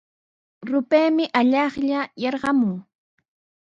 Rupaymi allaqlla yarqamun.